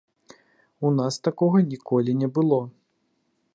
У нас такога ніколі не было!